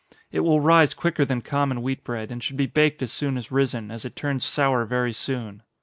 It will rise quicker than common wheat bread, and should be baked as soon as risen, as it turns sour very soon.